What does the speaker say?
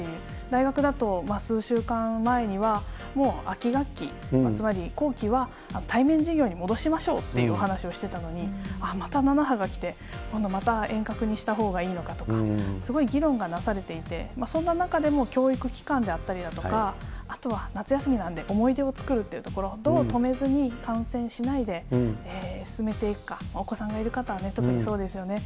大学だと数週間前には、もう秋学期、つまり後期は対面授業に戻しましょうっていうお話をしてたのに、ああ、また７波が来て、今度また遠隔にしたほうがいいのかとか、すごい議論がなされていて、そんな中でも教育機関であったりだとか、あとは夏休みなんで思い出を作るっていうところ、どう止めずに感染しないで進めていくか、お子さんがいる方は特にそうですよね。